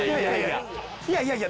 いやいや。